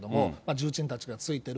重鎮たちがついている。